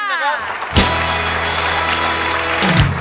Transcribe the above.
เล่นครับ